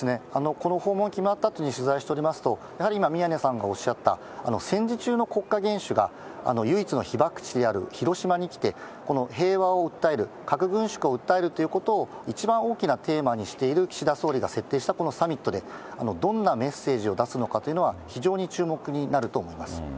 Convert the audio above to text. この訪問決まったあとに取材しておりますと、やはり今、宮根さんがおっしゃった、戦時中の国家元首が、唯一の被爆地である広島に来て、平和を訴える、核軍縮を訴えるということを一番大きなテーマにしている岸田総理が設定したこのサミットで、どんなメッセージを出すのかというのは、非常に注目になると思います。